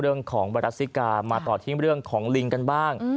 เรื่องของไวรัสซิกามาต่อที่เรื่องของลิงกันบ้าง